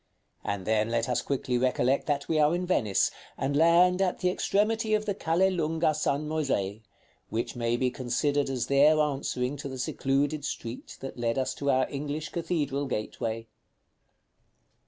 And then let us quickly recollect that we are in Venice, and land at the extremity of the Calle Lunga San Moisè, which may be considered as there answering to the secluded street that led us to our English cathedral gateway.